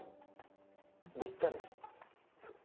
じっちゃんのそう。